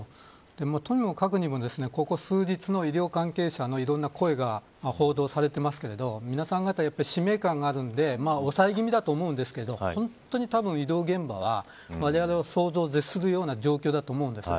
とにもかくにも、ここ数日の医療関係者のいろんな声が報道されていますけど、皆さん方使命感があるので抑え気味だと思うんですけど本当に医療現場はわれわれの想像を絶するような状況だと思うんです。